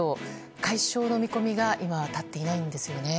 解消の見込みが今は立っていないんですよね。